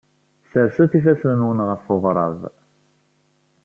Sserset ifassen-nwen ɣef uɣrab.